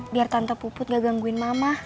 biar tante puput gak gangguin mama